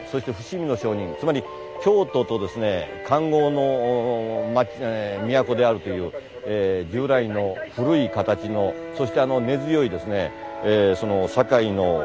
つまり京都とですね勘合の都であるという従来の古い形のそして根強いですね堺の。